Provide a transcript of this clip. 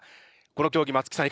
この競技松木さん